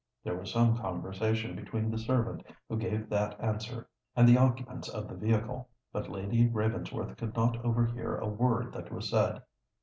There was some conversation between the servant who gave that answer and the occupants of the vehicle;—but Lady Ravensworth could not overhear a word that was said.